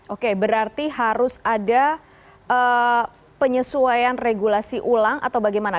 oke berarti harus ada penyesuaian regulasi ulang atau bagaimana